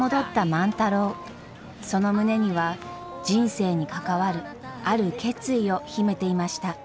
その胸には人生に関わるある決意を秘めていました。